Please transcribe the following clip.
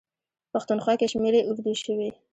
پښتونخوا کې شمېرې اردو شوي.